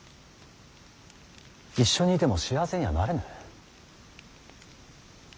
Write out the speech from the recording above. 一緒にいても幸せにはなれぬ。